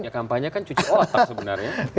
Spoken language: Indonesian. ya kampanye kan cuci otak sebenarnya